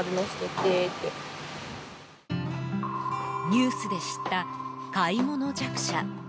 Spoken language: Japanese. ニュースで知った買い物弱者。